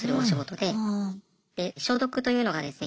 で消毒というのがですね